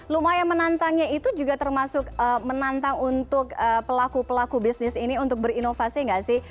lumayan menantangnya itu juga termasuk menantang untuk pelaku pelaku bisnis ini untuk berinovasi nggak sih